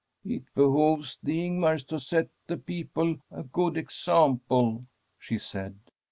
' It behooves the Ingmars to set the people a good example,' she said.